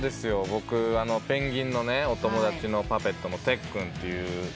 僕ペンギンのお友達のパペットのてっくんっていう。